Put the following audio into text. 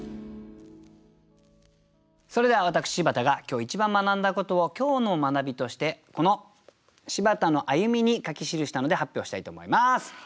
それでは私柴田が今日一番学んだことを今日の学びとしてこの「柴田の歩み」に書き記したので発表したいと思います。